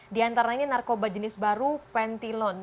di antaranya narkoba jenis baru pentilon